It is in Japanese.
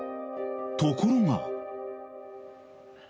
［ところが］